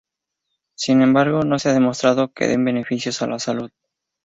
Sin embargo, no se ha demostrado que den beneficios a la salud.